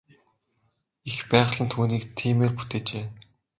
Эх байгаль нь түүнийг тиймээр бүтээжээ.